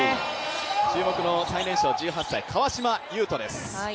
注目の最年少１８歳、川島悠翔です。